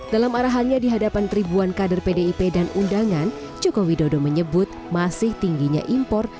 dalam arahannya di hadapan ribuan kader pdip dan undangan joko widodo menyebut masih tingginya impor